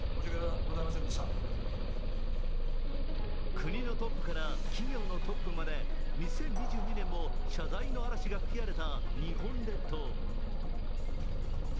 国のトップから企業のトップまで２０２２年も謝罪の嵐が吹き荒れた日本列島。